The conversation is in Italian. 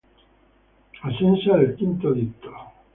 Assenza del quinto dito.